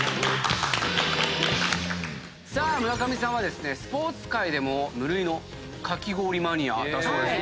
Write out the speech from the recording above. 村上さんはですねスポーツ界でも無類のかき氷マニアだそうです。